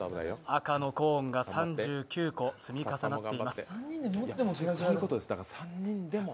赤のコーンが３９個積み重なっています。